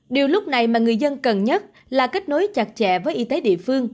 điều lúc này mà người dân cần nhất là kết nối chặt chẽ với y tế địa phương